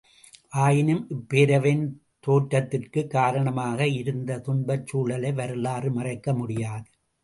ஆயினும் இப்பேரவையின் தோற்றத்திற்குக் காரணமாக இருந்த துன்பச் சூழலை வரலாறு மறைக்க முடியாது.